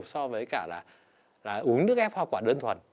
so với cả là uống nước ép hoa quả đơn thuần